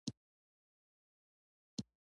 که پیرودونکی درناوی وویني، هر وخت راځي.